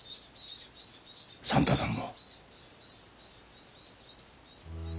算太さんも。